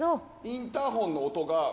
インターホンの音が。